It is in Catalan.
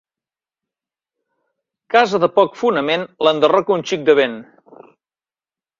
Casa de poc fonament l'enderroca un xic de vent.